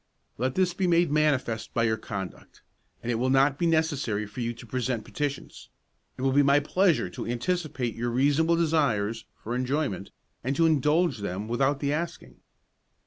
"Let this be made manifest by your conduct, and it will not be necessary for you to present petitions; it will be my pleasure to anticipate your reasonable desires for enjoyment, and to indulge them without the asking.